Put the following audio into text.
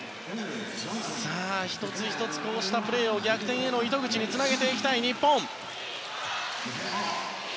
１つ１つこうしたプレーを逆転への糸口につなげていきたい日本。